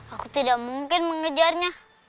aku tidak mungkin mengejarnya